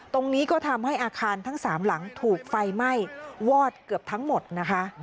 ตรงนี้ก็ทำให้อาคารทั้ง๓หลังถูกไฟไหม้วอดเกือบทั้งหมดนะคะ